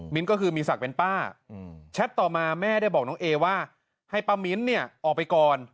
ก็คือมีศักดิ์เป็นป้าแชทต่อมาแม่ได้บอกน้องเอว่าให้ป้ามิ้นเนี่ยออกไปก่อน